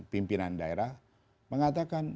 pimpinan daerah mengatakan